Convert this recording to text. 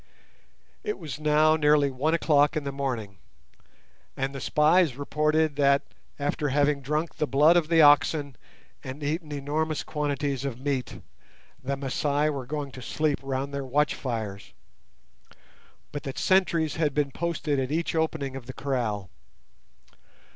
It was now nearly one o'clock in the morning, and the spies reported that, after having drunk the blood of the oxen and eaten enormous quantities of meat, the Masai were going to sleep round their watchfires; but that sentries had been posted at each opening of the kraal.